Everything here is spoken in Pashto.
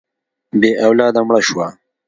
بې اولاده مړه شوه.